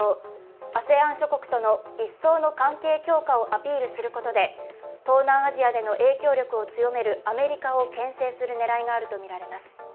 ＡＳＥＡＮ諸国との一層の関係強化をアピールすることで、東南アジアでの影響力を強めるアメリカをけん制する狙いがあるとみられます。